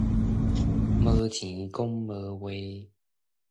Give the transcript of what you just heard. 無錢講無話